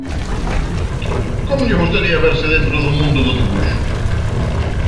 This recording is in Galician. Como lle gustaría verse dentro do mundo do debuxo?